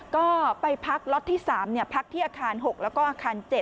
ก็ไปพักล็อตที่๓พักที่อาคาร๖แล้วก็อาคาร๗